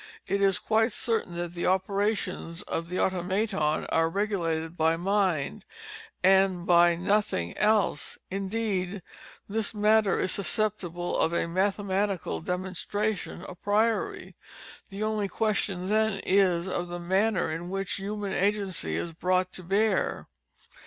It is quite certain that the operations of the Automaton are regulated by _mind, _and by nothing else. Indeed this matter is susceptible of a mathematical demonstration, _a priori. _The only question then is of the _manner _in which human agency is brought to bear.